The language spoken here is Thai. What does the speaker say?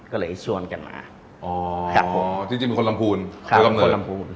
ก็เลยชวนกันมาอ๋อจริงเป็นคนลำพูนเป็นคนลำพูน